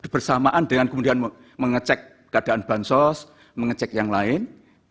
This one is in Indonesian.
bersamaan dengan kemudian mengecek keadaan bansos mengecek yang lain